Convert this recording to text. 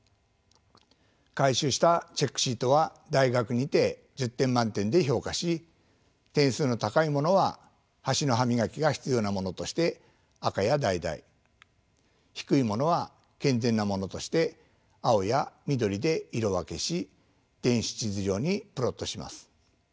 回収したチェックシートは大学にて１０点満点で評価し点数の高いものは橋の歯磨きが必要なものとして赤や橙低いものは健全なものとして青や緑で色分けし電子地図上にプロットします。